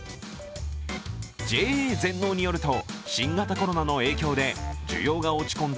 ＪＡ全農によると新型コロナの影響で需要が落ち込んだ